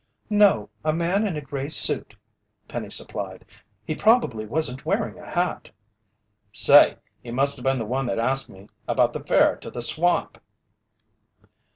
"No, a man in a gray suit," Penny supplied. "He probably wasn't wearing a hat." "Say, he musta been the one that asked me about the fare to the swamp!"